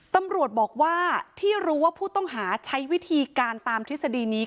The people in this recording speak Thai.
ตำรวจบอกว่าที่รู้ว่าผู้ต้องหาใช้วิธีการตามทฤษฎีนี้